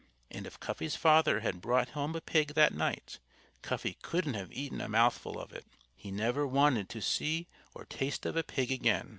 And if Cuffy's father had brought home a pig that night Cuffy couldn't have eaten a mouthful of it. He never wanted to see or taste of a pig again.